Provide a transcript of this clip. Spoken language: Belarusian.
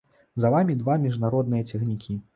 За вамі два міжнародныя цягнікі!